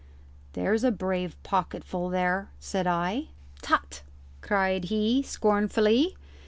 "There's a brave pocketful there," said I. "Tut!" cried he, scornfully.